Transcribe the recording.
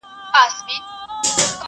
تا کاسه خپله وهلې ده په لته،